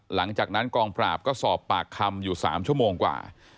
หลังจากนั้นกองปราบก็สอบปากคำอยู่๓ชั่วโมงกว่า